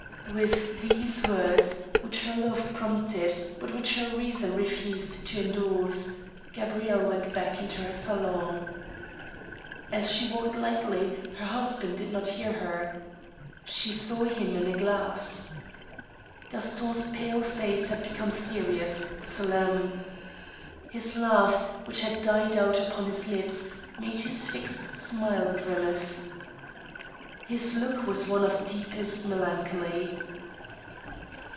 With these words, which her love prompted, but which her reason refused to indorse, Gabrielle went back into her salon. As she walked lightly, her husband did not hear her. She saw 54 THE STEEL HAMMER. him in a glass. Gaston's pale face had become serious, solemn. His laugh, which had died out on his lips, made his fixed smile a grimace. His look was one of deepest melancholy.